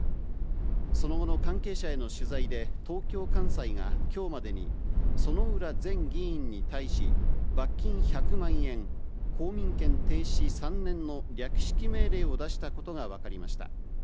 その後の関係者への取材で、東京簡裁がきょうまでに、薗浦前議員に対し、罰金１００万円、公民権停止３年の略式命令を出したことが分かりました。